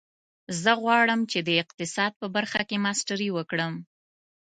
زه غواړم چې د اقتصاد په برخه کې ماسټري وکړم